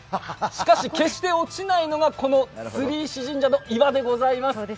しかし、決して落ちないのがこの釣石神社の岩でございます。